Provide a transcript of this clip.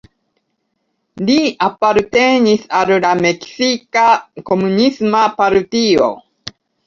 Li apartenis al la Meksika Komunisma Partio.